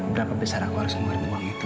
berapa besar aku harus memberi uang itu